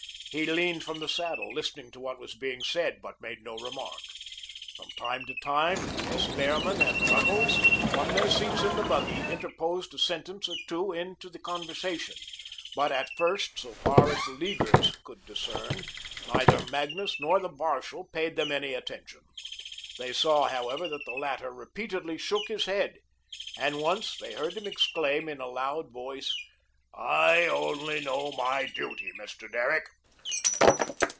He leaned from the saddle, listening to what was being said, but made no remark. From time to time, S. Behrman and Ruggles, from their seats in the buggy, interposed a sentence or two into the conversation, but at first, so far as the Leaguers could discern, neither Magnus nor the marshal paid them any attention. They saw, however, that the latter repeatedly shook his head and once they heard him exclaim in a loud voice: "I only know my duty, Mr. Derrick."